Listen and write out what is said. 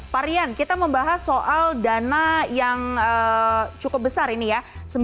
pak rian kita membahas soal dana yang cukup besar ini ya